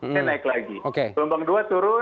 dan naik lagi gelombang dua turun